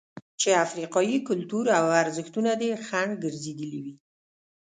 چې افریقايي کلتور او ارزښتونه دې خنډ ګرځېدلي وي.